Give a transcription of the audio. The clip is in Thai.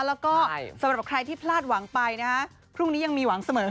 แล้วก็สำหรับใครที่พลาดหวังไปนะฮะพรุ่งนี้ยังมีหวังเสมอ